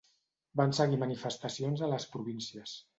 Van seguir manifestacions a les províncies.